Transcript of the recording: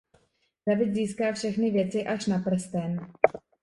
David získá všechny věci až na prsten.